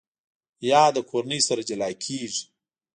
یاده کورنۍ سره جلا کېږي.